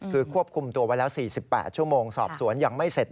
คือควบคุมตัวไว้แล้ว๔๘ชั่วโมงสอบสวนยังไม่เสร็จ